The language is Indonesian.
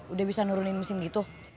udah bisa nurunin mesin gitu